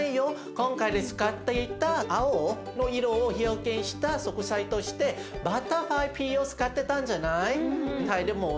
今回で使っていた青の色を表現した食材としてバタフライピーを使ってたんじゃない。